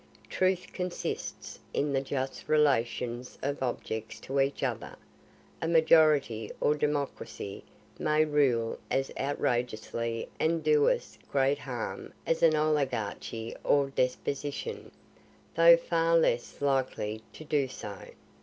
Truth consists in the just relations of objects to each other. A majority or democracy may rule as outrageously and do as great harm as an oligarchy or despotism though far less likely to do so.